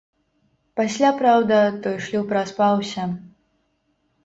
Пасля, праўда, той шлюб распаўся.